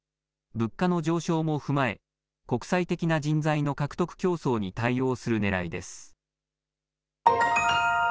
物価の上昇も踏まえ国際的な人材の獲得競争に対応するねらいです。